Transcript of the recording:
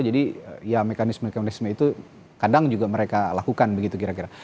jadi ya mekanisme mekanisme itu kadang juga mereka lakukan begitu kira kira